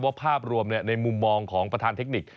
เพราะว่าภาพรวมเนี่ยในมูมมองของประธานเทคนิค